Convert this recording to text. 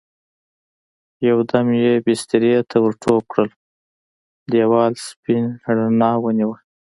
يو دم يې بسترې ته ور ټوپ کړل، دېوال سپينې رڼا ونيو.